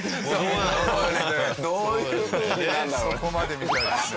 そこまで見たいですね。